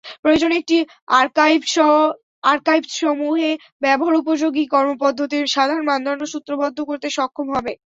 প্রয়োজনে এটি আর্কাইভসসমূহে ব্যবহারোপযোগী কর্মপদ্ধতির সাধারণ মানদণ্ড সূত্রবদ্ধ করতে সক্ষম হবে।